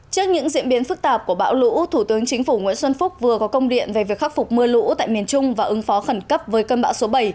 trước những diễn biến phức tạp của bão lũ thủ tướng chính phủ nguyễn xuân phúc vừa có công điện về việc khắc phục mưa lũ tại miền trung và ứng phó khẩn cấp với cơn bão số bảy